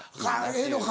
ええのか。